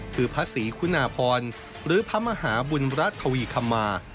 คือพระศรีคุณาพรหรือพระมหาบุญรัฐทวีคมา